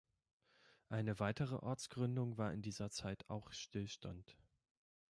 Eine weitere Ortsgründung war in dieser Zeit auch Stillstand.